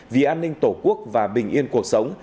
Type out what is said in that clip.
vì an ninh tổ quốc và bình yên cuộc sống